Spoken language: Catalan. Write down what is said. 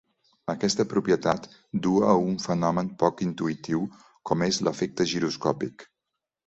Aquesta propietat du a un fenomen poc intuïtiu com és l'efecte giroscòpic.